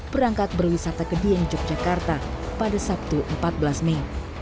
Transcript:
berangkat berwisata ke dieng yogyakarta pada sabtu empat belas mei